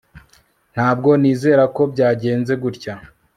ntabwo nizera ko byagenze gutya